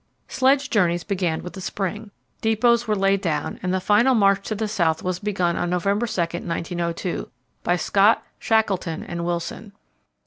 Sledge journeys began with the spring. Depots were laid down, and the final march to the South was begun on November 2, 1902, by Scott, Shackleton, and Wilson.